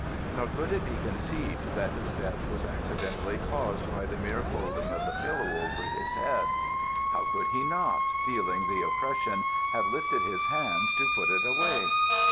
Nor could it be conceived that his death was accidentally caused by the mere folding of the pillow over his face. How should he not, feeling the oppression, have lifted his hands to put it away?